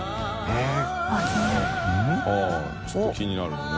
ちょっと気になるよね。